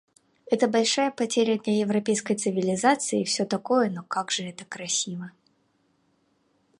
Это большая потеря для европейской цивилизации и всё такое, но как же это красиво